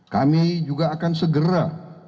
kami juga akan segera